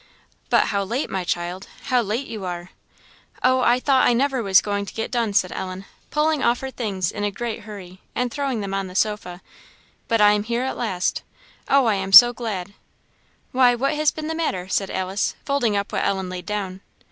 "But how late, my child! how late you are!" "Oh, I thought I never was going to get done!" said Ellen, pulling off her things in a great hurry, and throwing them on the sofa "but I am here at last. Oh, I'm so glad!" "Why, what has been the matter?" said Alice, folding up what Ellen laid down.